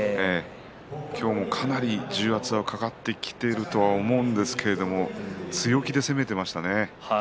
今日もかなり重圧がかかってきているとは思うんですけれども強気で攻めていましたね。